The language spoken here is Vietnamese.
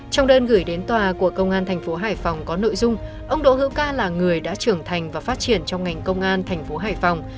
trong đơn gửi đến tòa của công an thành phố hải phòng có nội dung ông đỗ hữu ca là người đã trưởng thành và phát triển trong ngành công an thành phố hải phòng